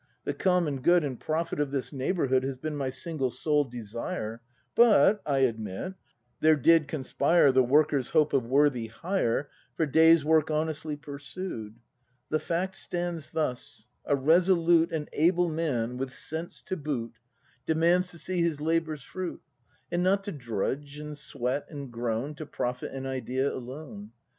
The common good And profit of this neighbourhood Has been my single, sole desire. But, I admit, there did conspire The worker's hope of worthy hire For day's work honestly pursued. The fact stands thus: a resolute And able man, with sense to boot. ACT IV] BRAND 171 Demands to see his labour's fruit, And not to drudge and sweat and groan To profit an Idea alone.